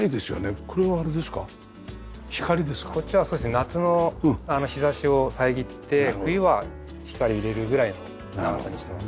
こっちはそうですね夏の日差しを遮って冬は光入れるぐらいの長さにしてます。